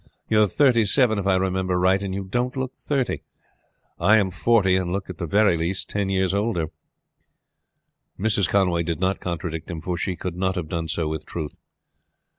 You are thirty seven, if I remember right, and you don't look thirty. I am forty, and look at the very least ten years older." Mrs. Conway did not contradict him, for she could not have done so with truth.